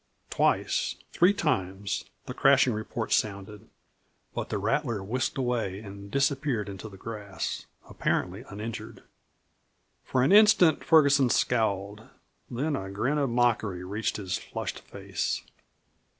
Twice, three times, the crashing report sounded. But the rattler whisked away and disappeared into the grass apparently uninjured. For an instant Ferguson scowled. Then a grin of mockery reached his flushed face.